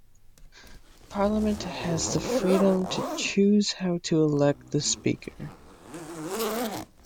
Parliament has the freedom to choose how to elect the Speaker.